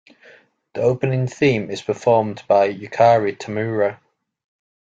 The opening theme is performed by Yukari Tamura.